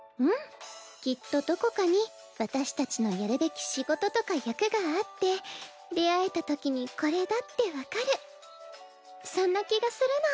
きっとどこかに私たちのやるべき仕事とか役があって出会えたときにこれだって分かるそんな気がするの。